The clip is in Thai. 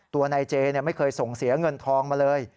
ตัวนายเจไม่เคยส่งเสียเงินทองมาเลย